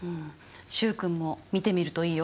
習君も見てみるといいよ。